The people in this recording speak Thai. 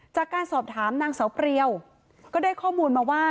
จากการสอบถามนางเสาเปรียวก็ได้ข้อมูลมาว่า